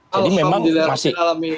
jadi memang masih